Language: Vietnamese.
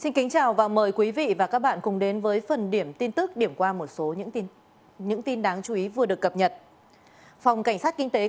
hãy đăng ký kênh để ủng hộ kênh của chúng mình nhé